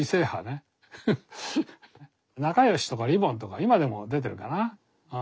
「なかよし」とか「りぼん」とか今でも出てるかな。